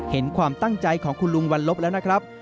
เห็นความตั้งใจของคุณลุงวันลบแล้วนะครับ